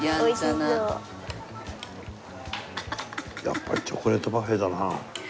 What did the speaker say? やっぱりチョコレートパフェだな。